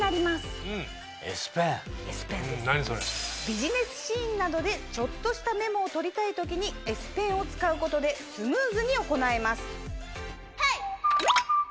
ビジネスシーンなどでちょっとしたメモを取りたい時にＳペンを使うことでスムーズに行えます。